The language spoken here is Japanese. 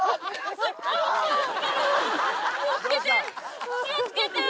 気を付けて気を付けて！